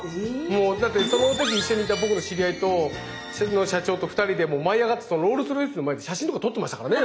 もうだってその時一緒にいた僕の知り合いと社長と２人でもう舞い上がってそのロールスロイスの前で写真とか撮ってましたからね。